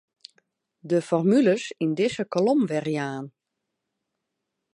De formules yn dizze kolom werjaan.